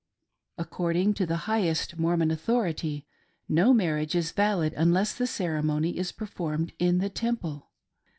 Accord ing to the highest Mormon Authority no marriage is valid unless the ceremony is performed in the Temple.